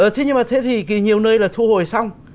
thế nhưng mà nhiều nơi là thu hồi xong